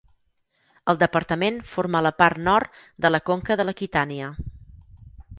El departament forma la part nord de la conca de l'Aquitània.